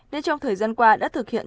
nên trong thời gian qua đã thực hiện